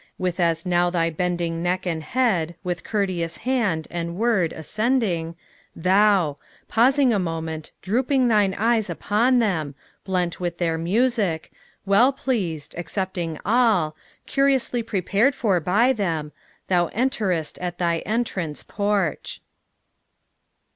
with as now thy bending neck and head, with courteous hand and word, ascending, Thou! pausing a moment, drooping thine eyes upon them, blent with their music, Well pleased, accepting all, curiously prepared for by them, Thou enterest at thy entrance porch.